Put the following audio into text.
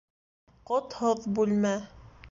Ҡотһоҙ бүлмә